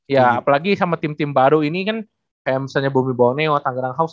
ya apalagi sama tim tim baru ini kan kayak misalnya bumi boneo tangerang house